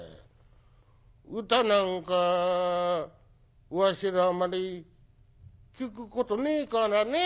歌なんかわしらあまり聴くことねえからね」。